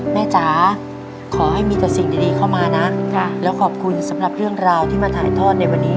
จ๋าขอให้มีแต่สิ่งดีเข้ามานะแล้วขอบคุณสำหรับเรื่องราวที่มาถ่ายทอดในวันนี้